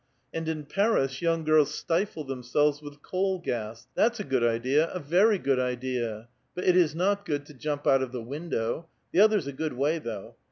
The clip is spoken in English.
And in Paris young girls stifle themselves with coal gas ; that's a good idea, a very good idea : but it is not good to jump out of the window. The other's a good way, though.